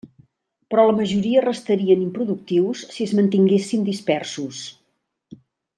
Però la majoria restarien improductius si es mantinguessin dispersos.